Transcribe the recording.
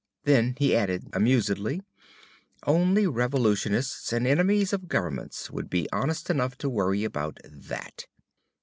Then he added amusedly, "Only revolutionists and enemies of governments would be honest enough to worry about that!"